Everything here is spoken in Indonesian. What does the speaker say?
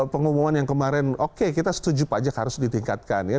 pengumuman yang kemarin oke kita setuju pajak harus ditingkatkan ya